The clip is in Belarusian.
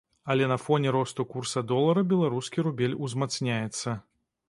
Але на фоне росту курса долара беларускі рубель узмацняецца.